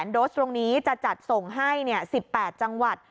โดสตรงนี้จะจัดส่งให้๑๘จังหวัด